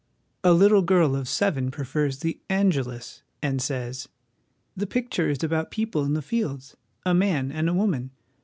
A little girl of seven prefers the ' Angelus,' and says :" The picture is about people in the fields, a man and a woman.